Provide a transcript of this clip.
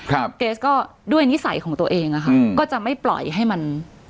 เกรสก็ด้วยนิสัยของตัวเองอะค่ะก็จะไม่ปล่อยให้มัน